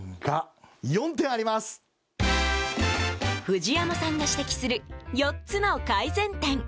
藤山さんが指摘する４つの改善点。